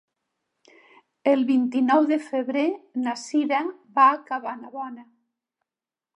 El vint-i-nou de febrer na Cira va a Cabanabona.